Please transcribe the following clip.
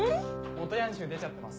元ヤン臭出ちゃってます。